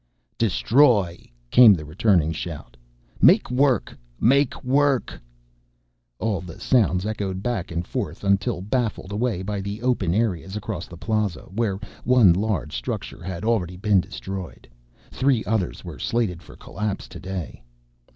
"Destroy!" came the returning shout. "Make work! Work! Work!" All the sounds echoed back and forth until baffled away by the open area across the Plaza, where one large structure had already been destroyed. Three others were slated for collapse today.